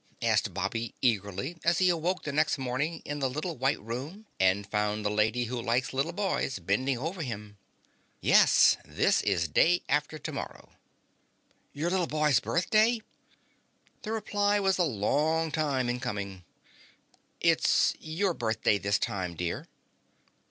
asked Bobby eagerly as he awoke the next morning in the little white room and found the Lady Who Likes Little Boys bending over him. "Yes, this is day after tomorrow." "Your little boy's birthday?" The reply was a long time in coming. "It's your birthday this time, dear."